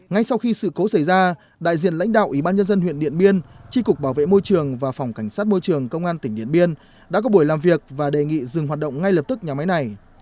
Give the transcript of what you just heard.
ngay sau khi sự cố xảy ra đại diện lãnh đạo ủy ban nhân dân huyện điện biên tri cục bảo vệ môi trường và phòng cảnh sát môi trường công an tỉnh điện biên đã có buổi làm việc và đề nghị dừng hoạt động ngay lập tức nhà máy này